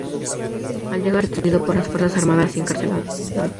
Al llegar a España es detenido por las fuerzas armadas y encarcelado.